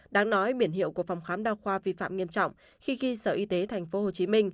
đáng nói biển hiệu của phòng khám đa khoa vi phạm nghiêm trọng khi ghi sở y tế tp hcm